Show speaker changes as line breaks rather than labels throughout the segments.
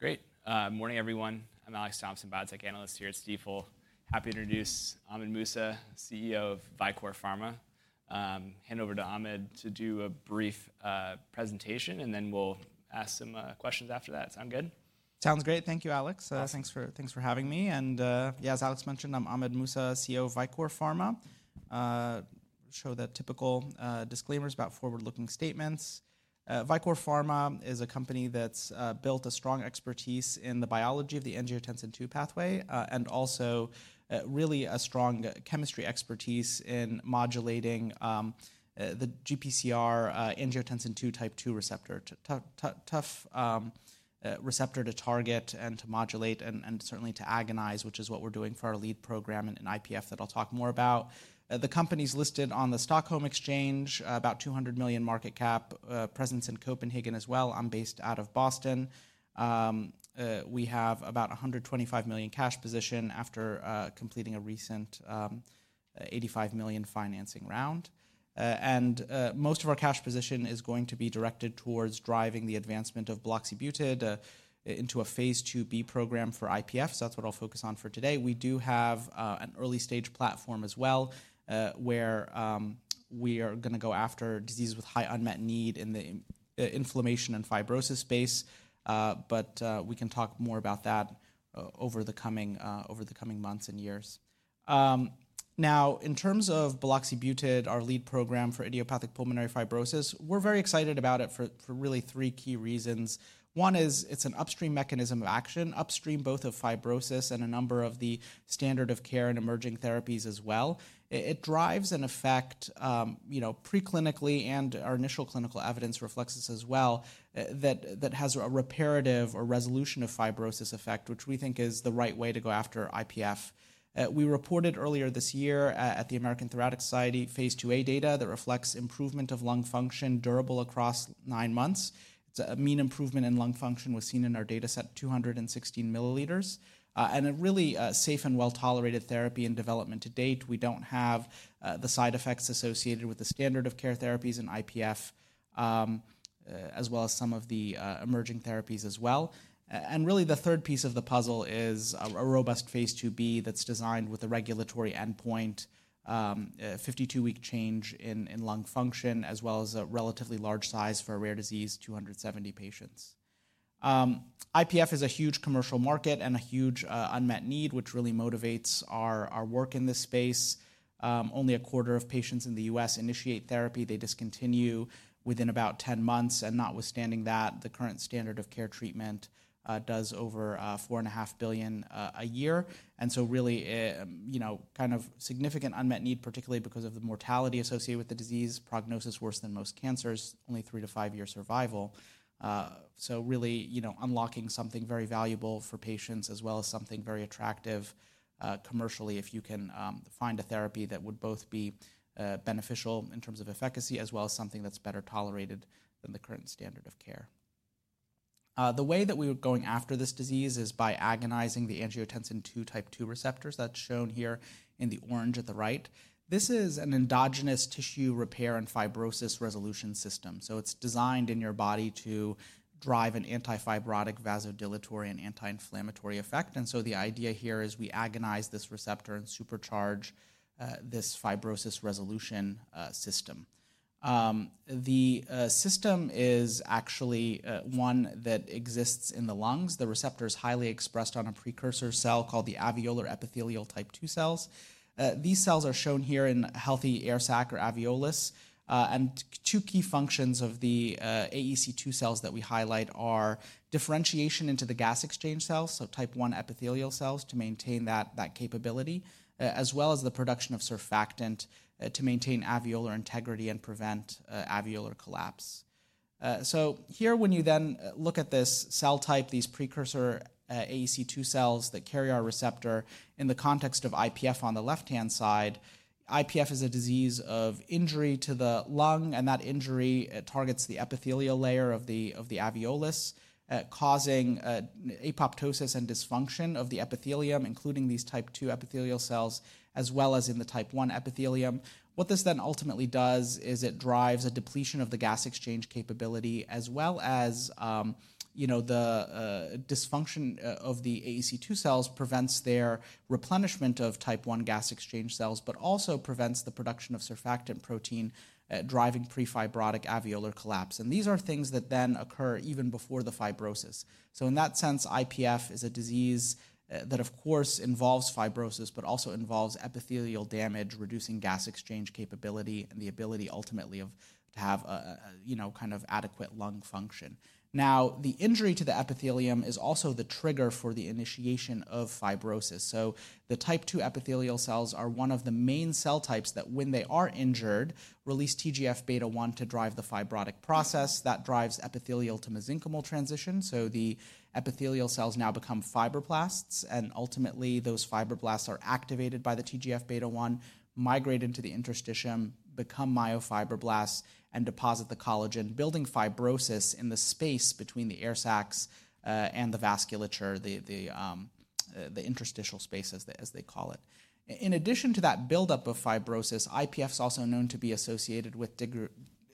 Great. Good morning, everyone. I'm Alex Thompson, biotech analyst here at Stifel. Happy to introduce Ahmed Mousa, CEO of Vicore Pharma. Hand over to Ahmed to do a brief presentation, and then we'll ask some questions after that. Sound good?
!Sounds great. Thank you, Alex. Thanks for having me. And yes, as Alex mentioned, I'm Ahmed Mousa, CEO of Vicore Pharma. Show the typical disclaimers about forward-looking statements. Vicore Pharma is a company that's built a strong expertise in the biology of the angiotensin II pathway and also really a strong chemistry expertise in modulating the GPCR angiotensin II type II receptor, a tough receptor to target and to modulate and certainly to agonize, which is what we're doing for our lead program and IPF that I'll talk more about. The company's listed on the Stockholm Exchange, about $200 million market cap, presence in Copenhagen as well. I'm based out of Boston. We have about a $125 million cash position after completing a recent $85 million financing round. Most of our cash position is going to be directed towards driving the advancement of Buloxibutid into a phase IIb program for IPF. That's what I'll focus on for today. We do have an early stage platform as well where we are going to go after diseases with high unmet need in the inflammation and fibrosis space. We can talk more about that over the coming months and years. Now, in terms of Buloxibutid, our lead program for idiopathic pulmonary fibrosis, we're very excited about it for really three key reasons. One is it's an upstream mechanism of action, upstream both of fibrosis and a number of the standard of care and emerging therapies as well. It drives an effect preclinically, and our initial clinical evidence reflects this as well, that has a reparative or resolution of fibrosis effect, which we think is the right way to go after IPF. We reported earlier this year at the American Thoracic Society phase IIa data that reflects improvement of lung function durable across nine months. It's a mean improvement in lung function was seen in our data set, 216 milliliters. And a really safe and well-tolerated therapy in development to date. We don't have the side effects associated with the standard of care therapies and IPF, as well as some of the emerging therapies as well. And really, the third piece of the puzzle is a robust phase IIb that's designed with a regulatory endpoint, 52-week change in lung function, as well as a relatively large size for a rare disease, 270 patients. IPF is a huge commercial market and a huge unmet need, which really motivates our work in this space. Only a quarter of patients in the U.S. initiate therapy. They discontinue within about 10 months, and notwithstanding that, the current standard of care treatment does over $4.5 billion a year, and so really, kind of significant unmet need, particularly because of the mortality associated with the disease, prognosis worse than most cancers, only 3-to-5-year survival. So really unlocking something very valuable for patients as well as something very attractive commercially if you can find a therapy that would both be beneficial in terms of efficacy as well as something that's better tolerated than the current standard of care. The way that we were going after this disease is by agonizing the angiotensin II type II receptors. That's shown here in the orange at the right. This is an endogenous tissue repair and fibrosis resolution system, so it's designed in your body to drive an antifibrotic, vasodilatory, and anti-inflammatory effect, and so the idea here is we agonize this receptor and supercharge this fibrosis resolution system. The system is actually one that exists in the lungs. The receptor is highly expressed on a precursor cell called the alveolar epithelial type II cells. These cells are shown here in healthy air sac or alveolus, and two key functions of the AEC2 cells that we highlight are differentiation into the gas exchange cells, so type I epithelial cells to maintain that capability, as well as the production of surfactant to maintain alveolar integrity and prevent alveolar collapse. Here, when you then look at this cell type, these precursor AEC2 cells that carry our receptor in the context of IPF on the left-hand side, IPF is a disease of injury to the lung. That injury targets the epithelial layer of the alveolus, causing apoptosis and dysfunction of the epithelium, including these type II epithelial cells, as well as in the type I epithelium. What this then ultimately does is it drives a depletion of the gas exchange capability as well as the dysfunction of the AEC2 cells prevents their replenishment of type I gas exchange cells, but also prevents the production of surfactant protein driving prefibrotic alveolar collapse. These are things that then occur even before the fibrosis. So in that sense, IPF is a disease that, of course, involves fibrosis, but also involves epithelial damage, reducing gas exchange capability and the ability ultimately to have kind of adequate lung function. Now, the injury to the epithelium is also the trigger for the initiation of fibrosis. So the type II epithelial cells are one of the main cell types that, when they are injured, release TGF beta-1 to drive the fibrotic process that drives epithelial to mesenchymal transition. So the epithelial cells now become fibroblasts. And ultimately, those fibroblasts are activated by the TGF beta-1, migrate into the interstitium, become myofibroblasts, and deposit the collagen, building fibrosis in the space between the air sacs and the vasculature, the interstitial space, as they call it. In addition to that buildup of fibrosis, IPF is also known to be associated with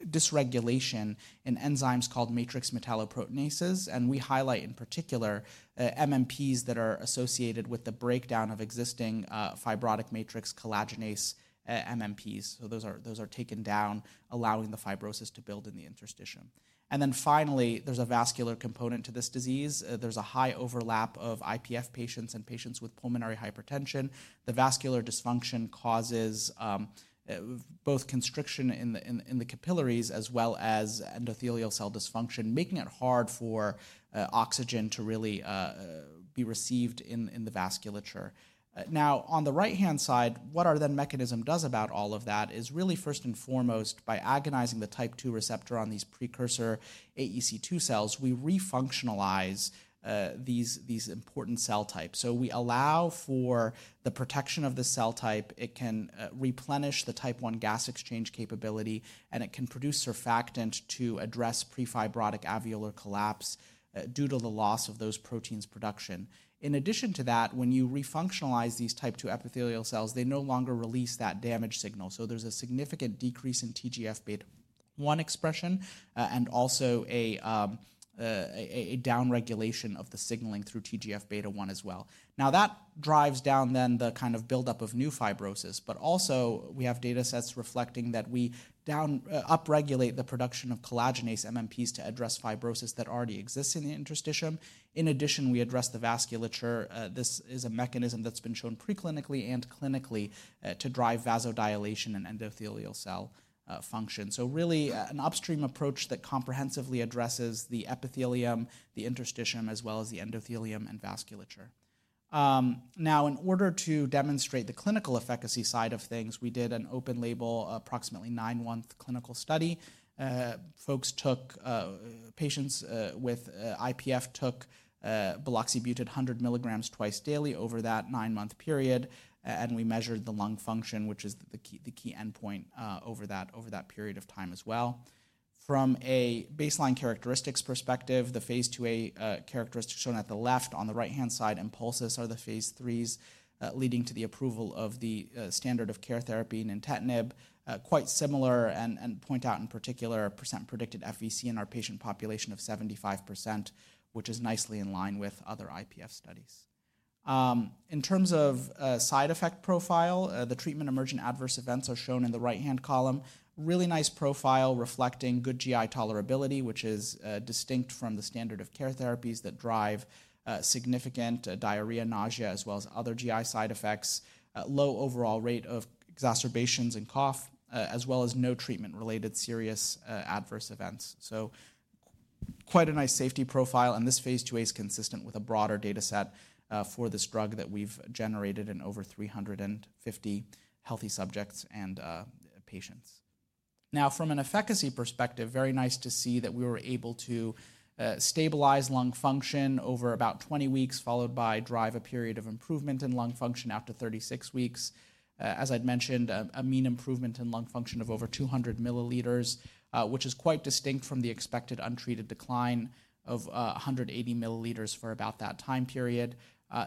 dysregulation in enzymes called matrix metalloproteinases. We highlight in particular MMPs that are associated with the breakdown of existing fibrotic matrix, collagenase MMPs. Those are taken down, allowing the fibrosis to build in the interstitium. Then finally, there's a vascular component to this disease. There's a high overlap of IPF patients and patients with pulmonary hypertension. The vascular dysfunction causes both constriction in the capillaries as well as endothelial cell dysfunction, making it hard for oxygen to really be received in the vasculature. Now, on the right-hand side, what our AT2 mechanism does about all of that is really, first and foremost, by agonizing the type II receptor on these precursor AEC2 cells, we refunctionalize these important cell types. We allow for the protection of the cell type. It can replenish the type I gas exchange capability, and it can produce surfactant to address prefibrotic alveolar collapse due to the loss of those proteins' production. In addition to that, when you refunctionalize these type II epithelial cells, they no longer release that damage signal. So there's a significant decrease in TGF beta-1 expression and also a downregulation of the signaling through TGF beta-1 as well. Now, that drives down then the kind of buildup of new fibrosis. But also, we have data sets reflecting that we upregulate the production of collagenase MMPs to address fibrosis that already exists in the interstitium. In addition, we address the vasculature. This is a mechanism that's been shown preclinically and clinically to drive vasodilation and endothelial cell function. So really, an upstream approach that comprehensively addresses the epithelium, the interstitium, as well as the endothelium and vasculature. Now, in order to demonstrate the clinical efficacy side of things, we did an open-label, approximately nine-month clinical study. Patients with IPF took buloxibutid 100 milligrams twice daily over that nine-month period. And we measured the lung function, which is the key endpoint over that period of time as well. From a baseline characteristics perspective, the phase IIa characteristics shown at the left. On the right-hand side, examples are the phase III leading to the approval of the standard of care therapy and nintedanib. Quite similar and point out in particular a percent predicted FVC in our patient population of 75%, which is nicely in line with other IPF studies. In terms of side effect profile, the treatment emergent adverse events are shown in the right-hand column. Really nice profile reflecting good GI tolerability, which is distinct from the standard of care therapies that drive significant diarrhea, nausea, as well as other GI side effects. Low overall rate of exacerbations and cough, as well as no treatment-related serious adverse events, so quite a nice safety profile, and this phase IIa is consistent with a broader data set for this drug that we've generated in over 350 healthy subjects and patients. Now, from an efficacy perspective, very nice to see that we were able to stabilize lung function over about 20 weeks, followed by drive a period of improvement in lung function after 36 weeks. As I'd mentioned, a mean improvement in lung function of over 200 ml, which is quite distinct from the expected untreated decline of 180 mL for about that time period.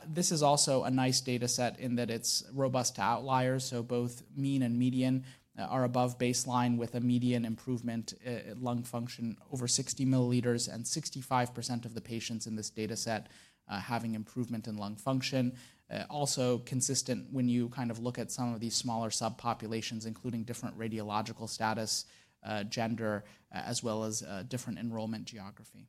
This is also a nice data set in that it's robust to outliers. So both mean and median are above baseline with a median improvement in lung function over 60 milliliters and 65% of the patients in this data set having improvement in lung function. Also consistent when you kind of look at some of these smaller subpopulations, including different radiological status, gender, as well as different enrollment geography.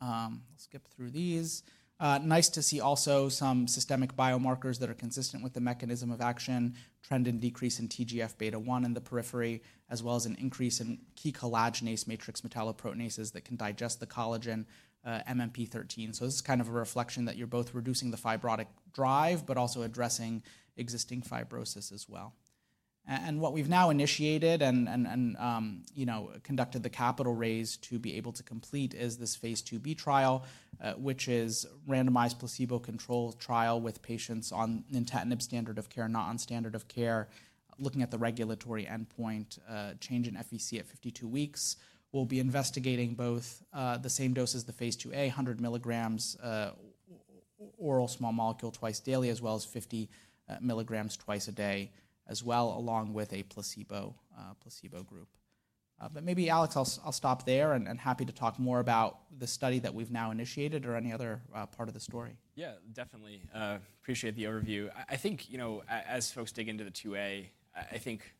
I'll skip through these. Nice to see also some systemic biomarkers that are consistent with the mechanism of action, trend in decrease in TGF beta-1 in the periphery, as well as an increase in key collagenase matrix metalloproteinases that can digest the collagen MMP-13. So this is kind of a reflection that you're both reducing the fibrotic drive, but also addressing existing fibrosis as well. What we've now initiated and conducted the capital raise to be able to complete is this phase IIb trial, which is a randomized placebo-controlled trial with patients on nintedanib standard of care and not on standard of care, looking at the regulatory endpoint change in FVC at 52 weeks. We'll be investigating both the same dose as the phase IIa, 100 milligrams oral small molecule twice daily, as well as 50 milligrams twice a day as well, along with a placebo group. Maybe, Alex, I'll stop there and happy to talk more about the study that we've now initiated or any other part of the story.
Yeah, definitely. Appreciate the overview. I think as folks dig into the IIa, I think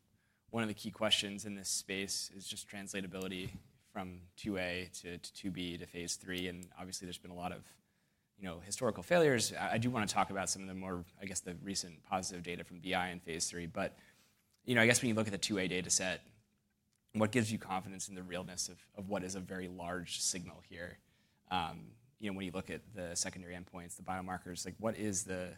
one of the key questions in this space is just translatability from IIa to to phase III. And obviously, there's been a lot of historical failures. I do want to talk about some of the more, I guess, the recent positive data from BI and phase III. But I guess when you look at the IIa data set, what gives you confidence in the realness of what is a very large signal here? When you look at the secondary endpoints, the biomarkers, what is the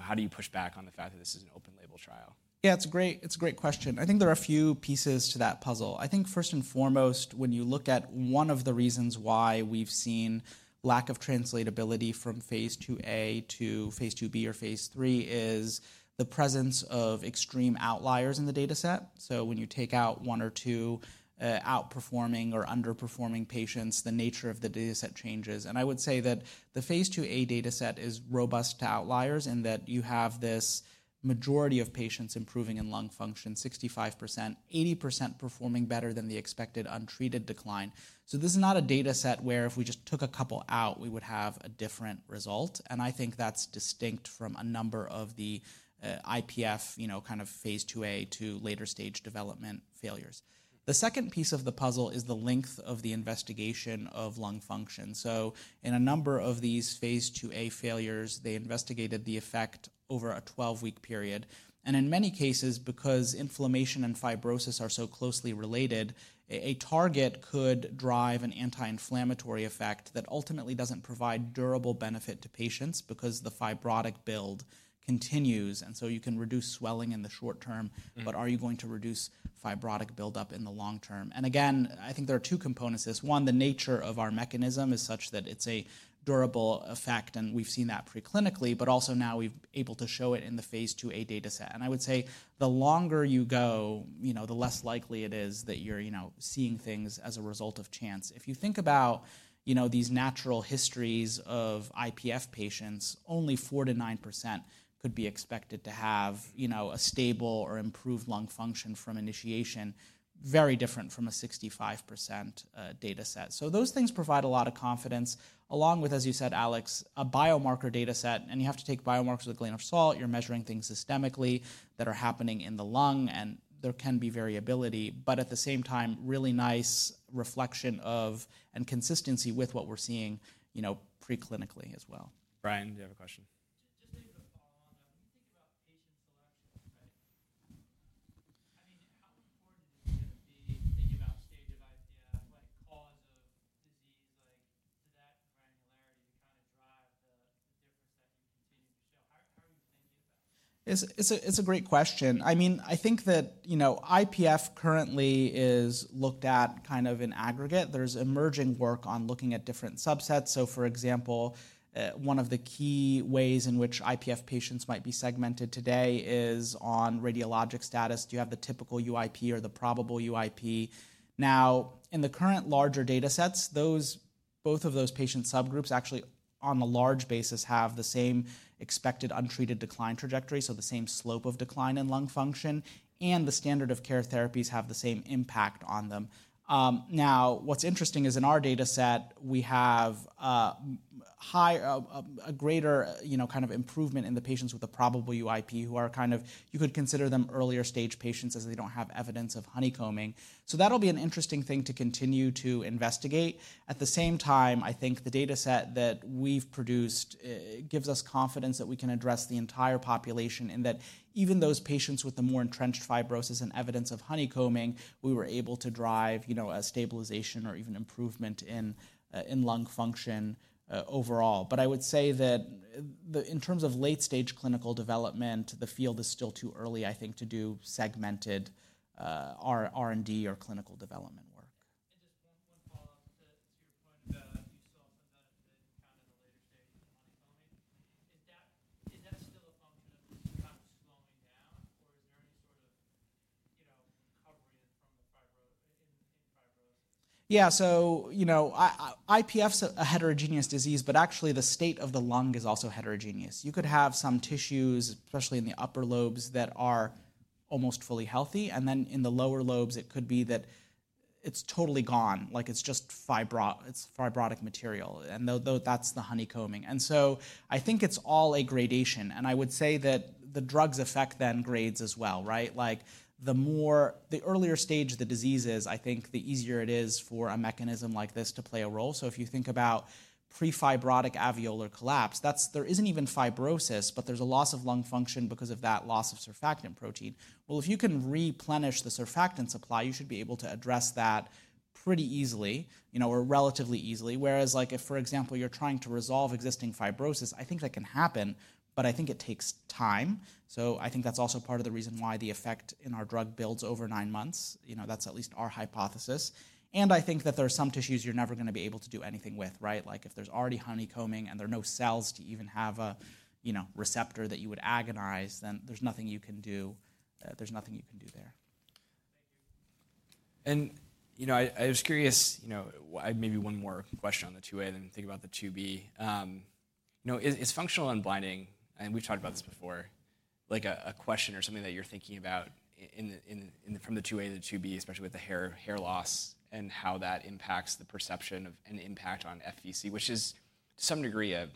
how do you push back on the fact that this is an open-label trial?
Yeah, it's a great question. I think there are a few pieces to that puzzle. I think first and foremost, when you look at one of the reasons why we've seen lack of translatability from phase IIa to phase IIb, or phase III is the presence of extreme outliers in the data set. So when you take out one or two outperforming or underperforming patients, the nature of the data set changes. And I would say that the phase IIa data set is robust to outliers in that you have this majority of patients improving in lung function, 65%, 80% performing better than the expected untreated decline. So this is not a data set where if we just took a couple out, we would have a different result. And I think that's distinct from a number of the IPF kind of phase IIa to later stage development failures. The second piece of the puzzle is the length of the investigation of lung function. So in a number of these phase IIa failures, they investigated the effect over a 12-week period. And in many cases, because inflammation and fibrosis are so closely related, a target could drive an anti-inflammatory effect that ultimately doesn't provide durable benefit to patients because the fibrotic build continues. And so you can reduce swelling in the short term, but are you going to reduce fibrotic buildup in the long term? And again, I think there are two components to this. One, the nature of our mechanism is such that it's a durable effect, and we've seen that preclinically, but also now we've been able to show it in the phase IIa data set. I would say the longer you go, the less likely it is that you're seeing things as a result of chance. If you think about these natural histories of IPF patients, only 4%-9% could be expected to have a stable or improved lung function from initiation, very different from a 65% data set. Those things provide a lot of confidence, along with, as you said, Alex, a biomarker data set. You have to take biomarkers with a grain of salt. You're measuring things systemically that are happening in the lung, and there can be variability. But at the same time, really nice reflection of and consistency with what we're seeing preclinically as well.
Brian, do you have a question? Just to follow on that, when you think about patient selection, I mean, how important is it to be thinking about stage of IPF, cause of disease, to that granularity to kind of drive the difference that you continue to show? How are you thinking about that?
It's a great question. I mean, I think that IPF currently is looked at kind of in aggregate. There's emerging work on looking at different subsets. So for example, one of the key ways in which IPF patients might be segmented today is on radiologic status. Do you have the typical UIP or the probable UIP? Now, in the current larger data sets, both of those patient subgroups actually, on a large basis, have the same expected untreated decline trajectory, so the same slope of decline in lung function. And the standard of care therapies have the same impact on them. Now, what's interesting is in our data set, we have a greater kind of improvement in the patients with a probable UIP who are kind of, you could consider them earlier stage patients as they don't have evidence of honeycombing. So that'll be an interesting thing to continue to investigate. At the same time, I think the data set that we've produced gives us confidence that we can address the entire population and that even those patients with the more entrenched fibrosis and evidence of honeycombing, we were able to drive a stabilization or even improvement in lung function overall. But I would say that in terms of late-stage clinical development, the field is still too early, I think, to do segmented R&D or clinical development work. And just one follow-up to your point about you saw some benefit kind of in the later stage of the honeycombing. Is that still a function of just kind of slowing down, or is there any sort of recovery from the fibrosis? Yeah. So IPF is a heterogeneous disease, but actually the state of the lung is also heterogeneous. You could have some tissues, especially in the upper lobes, that are almost fully healthy. And then in the lower lobes, it could be that it's totally gone. It's just fibrotic material, and that's the honeycombing. And so I think it's all a gradation. And I would say that the drug's effect then grades as well. The earlier stage the disease is, I think the easier it is for a mechanism like this to play a role. So if you think about prefibrotic alveolar collapse, there isn't even fibrosis, but there's a loss of lung function because of that loss of surfactant protein. Well, if you can replenish the surfactant supply, you should be able to address that pretty easily or relatively easily. Whereas if, for example, you're trying to resolve existing fibrosis, I think that can happen, but I think it takes time. So I think that's also part of the reason why the effect in our drug builds over nine months. That's at least our hypothesis. And I think that there are some tissues you're never going to be able to do anything with. If there's already honeycombing and there are no cells to even have a receptor that you would agonize, then there's nothing you can do. There's nothing you can do there. Thank you.
And I was curious, maybe one more question on the IIa and then think about the. No, is functional unblinding, and we've talked about this before, a question or something that you're thinking about from the IIa to the, especially with the hair loss and how that impacts the perception of an impact on FVC, which is to some degree an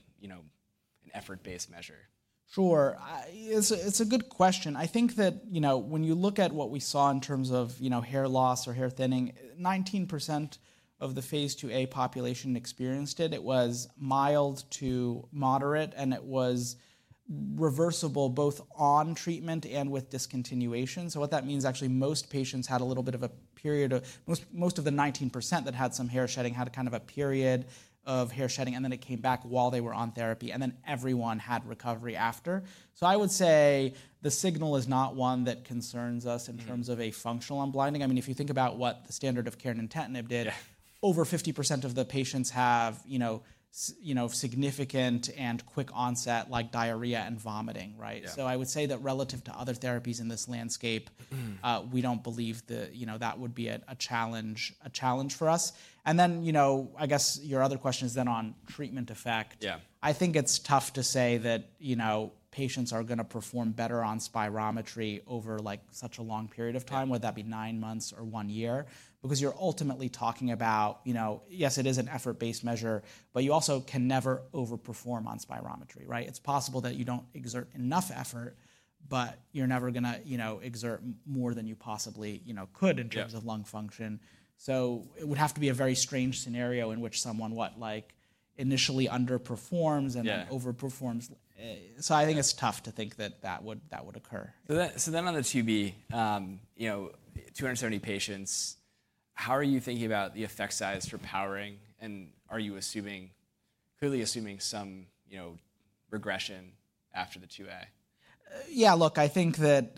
effort-based measure?
Sure. It's a good question. I think that when you look at what we saw in terms of hair loss or hair thinning, 19% of the phase IIa population experienced it. It was mild to moderate, and it was reversible both on treatment and with discontinuation. So what that means is actually most patients had a little bit of a period. Most of the 19% that had some hair shedding had kind of a period of hair shedding, and then it came back while they were on therapy, and then everyone had recovery after. So I would say the signal is not one that concerns us in terms of a functional unblinding. I mean, if you think about what the standard of care and nintedanib did, over 50% of the patients have significant and quick onset like diarrhea and vomiting. I would say that relative to other therapies in this landscape, we don't believe that would be a challenge for us. And then I guess your other question is then on treatment effect. I think it's tough to say that patients are going to perform better on spirometry over such a long period of time, whether that be nine months or one year, because you're ultimately talking about, yes, it is an effort-based measure, but you also can never overperform on spirometry. It's possible that you don't exert enough effort, but you're never going to exert more than you possibly could in terms of lung function. So it would have to be a very strange scenario in which someone, what, initially underperforms and then overperforms. So I think it's tough to think that that would occur.
So then on the, 270 patients, how are you thinking about the effect size for powering? And are you clearly assuming some regression after the IIa?
Yeah, look, I think that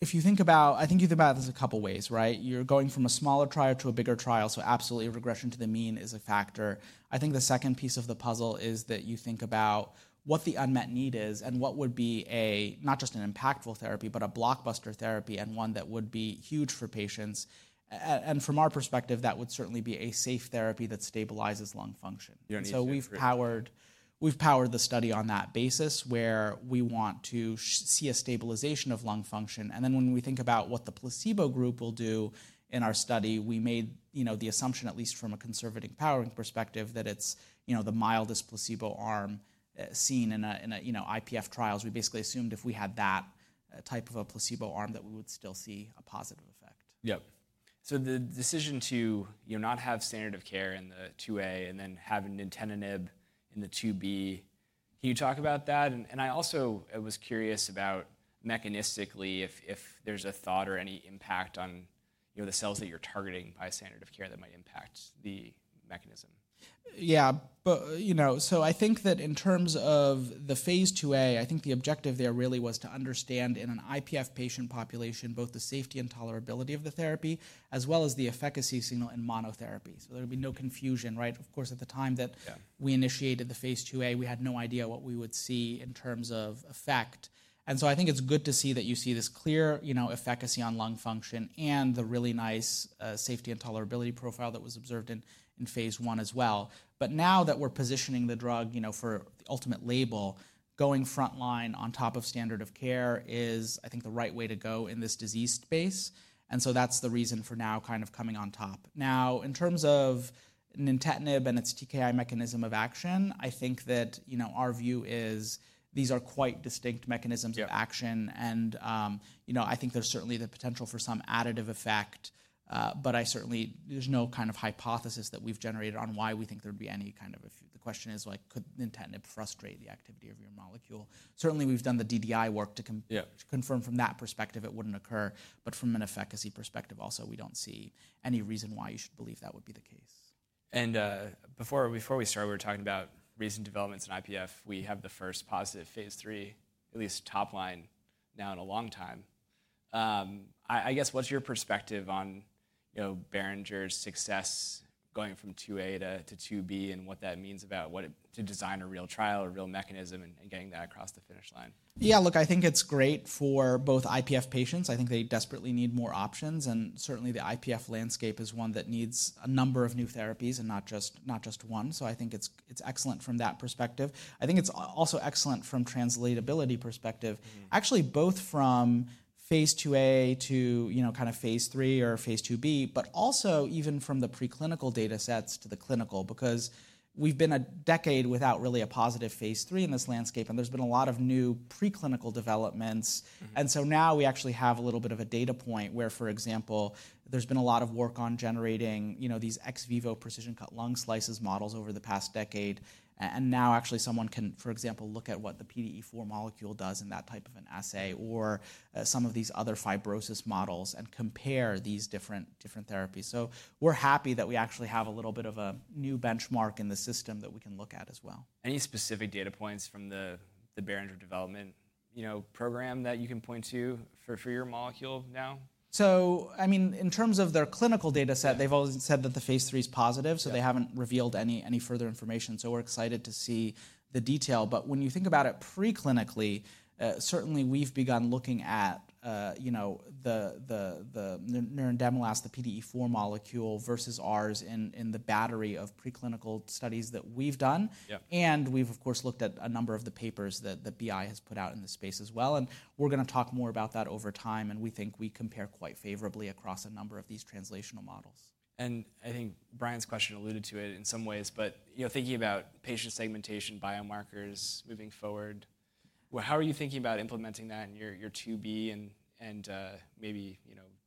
if you think about, I think you think about this a couple of ways. You're going from a smaller trial to a bigger trial. So absolutely regression to the mean is a factor. I think the second piece of the puzzle is that you think about what the unmet need is and what would be not just an impactful therapy, but a blockbuster therapy and one that would be huge for patients. And from our perspective, that would certainly be a safe therapy that stabilizes lung function. So we've powered the study on that basis where we want to see a stabilization of lung function. And then when we think about what the placebo group will do in our study, we made the assumption, at least from a conservative powering perspective, that it's the mildest placebo arm seen in IPF trials. We basically assumed if we had that type of a placebo arm that we would still see a positive effect.
Yep. So the decision to not have standard of care in the IIa and then have a nintedanib in the, can you talk about that? And I also was curious about mechanistically if there's a thought or any impact on the cells that you're targeting by standard of care that might impact the mechanism.
Yeah. So I think that in terms of the phase IIa, I think the objective there really was to understand in an IPF patient population both the safety and tolerability of the therapy as well as the efficacy signal in monotherapy. So there would be no confusion. Of course, at the time that we initiated the phase IIa, we had no idea what we would see in terms of effect. And so I think it's good to see that you see this clear efficacy on lung function and the really nice safety and tolerability profile that was observed in phase I as well. But now that we're positioning the drug for the ultimate label, going frontline on top of standard of care is, I think, the right way to go in this disease space. And so that's the reason for now kind of coming on top. Now, in terms of nintedanib and its TKI mechanism of action, I think that our view is these are quite distinct mechanisms of action, and I think there's certainly the potential for some additive effect, but there's no kind of hypothesis that we've generated on why we think there'd be any kind of issue. The question is, could nintedanib frustrate the activity of your molecule? Certainly, we've done the DDI work to confirm from that perspective it wouldn't occur. But from an efficacy perspective also, we don't see any reason why you should believe that would be the case.
Before we started, we were talking about recent developments in IPF. We have the first positive phase III, at least top line now in a long time. I guess what's your perspective on Boehringer's success going from IIa to and what that means about to design a real trial, a real mechanism, and getting that across the finish line?
Yeah, look, I think it's great for both IPF patients. I think they desperately need more options. And certainly, the IPF landscape is one that needs a number of new therapies and not just one. So I think it's excellent from that perspective. I think it's also excellent from translatability perspective, actually both from phase IIa to kind of phase III or phase IIb, but also even from the preclinical data sets to the clinical, because we've been a decade without really a positive phase III in this landscape, and there's been a lot of new preclinical developments. And so now we actually have a little bit of a data point where, for example, there's been a lot of work on generating these ex vivo precision cut lung slices models over the past decade. Now actually someone can, for example, look at what the PDE4 molecule does in that type of an assay or some of these other fibrosis models and compare these different therapies. We're happy that we actually have a little bit of a new benchmark in the system that we can look at as well.
Any specific data points from the Boehringer development program that you can point to for your molecule now?
So I mean, in terms of their clinical data set, they've always said that the phase III is positive, so they haven't revealed any further information. So we're excited to see the detail. But when you think about it preclinically, certainly we've begun looking at the Nerandomilast, the PDE4 molecule versus ours in the battery of preclinical studies that we've done. And we've, of course, looked at a number of the papers that the BI has put out in this space as well. And we're going to talk more about that over time. And we think we compare quite favorably across a number of these translational models.
I think Brian's question alluded to it in some ways, but thinking about patient segmentation biomarkers moving forward, how are you thinking about implementing that in your and maybe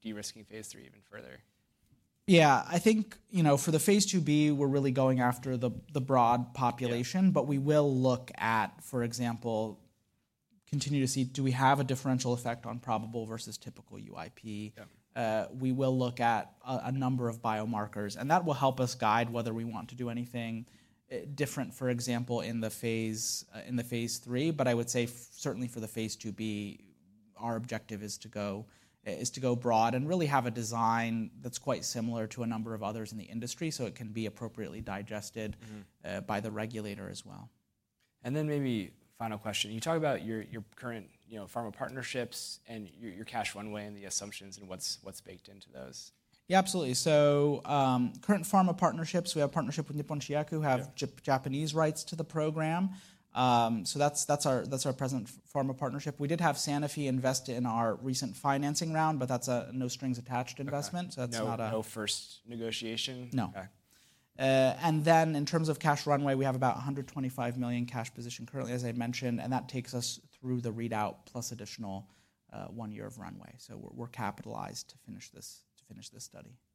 de-risking phase III even further?
Yeah. I think, for the phase IIb, we're really going after the broad population, but we will look at, for example, continue to see do we have a differential effect on probable versus typical UIP. We will look at a number of biomarkers, and that will help us guide whether we want to do anything different, for example, in the phase III, but I would say certainly for the phase IIb, our objective is to go broad and really have a design that's quite similar to a number of others in the industry so it can be appropriately digested by the regulator as well.
Then maybe final question. You talk about your current pharma partnerships and your cash runway and the assumptions and what's baked into those.
Yeah, absolutely. So current pharma partnerships, we have a partnership with Nippon Shinyaku, who have Japanese rights to the program. So that's our present pharma partnership. We did have Sanofi invest in our recent financing round, but that's a no strings attached investment. So that's not a.
No first negotiation?
No.
Okay. And then in terms of cash runway, we have about $125 million cash position currently, as I mentioned, and that takes us through the readout plus additional one year of runway. So we're capitalized to finish this study. Great.